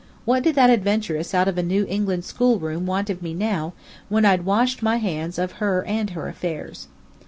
What did that adventuress out of a New England schoolroom want of me now, when I'd washed my hands of her and her affairs?